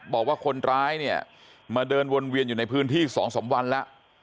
บอกว่าคนร้ายเนี่ยมาเดินวนเวียนอยู่ในพื้นที่๒๓วันแล้ว